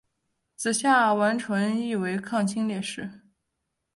子夏完淳亦为抗清烈士。